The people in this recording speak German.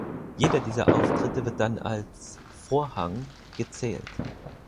Jeder dieser Auftritte wird dann als „Vorhang“ gezählt.